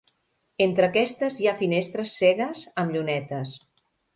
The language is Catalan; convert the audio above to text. Entre aquestes hi ha finestres cegues amb llunetes.